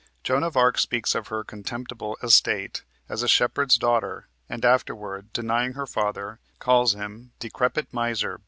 Joan of Arc speaks of her "contemptible estate" as a shepherd's daughter, and afterward, denying her father, calls him "Decrepit miser!